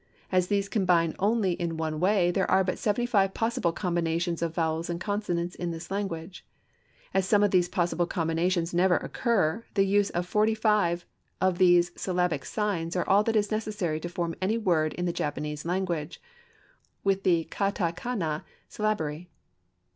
As these combine only in one way there are but seventy five possible combinations of vowels and consonants in this language. As some of these possible combinations never occur, the use of forty five of these syllabic signs are all that is necessary to form any word in the Japanese language, with the Ka ta ka na syllabary.